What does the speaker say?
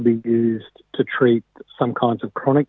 beberapa jenis sakit kronis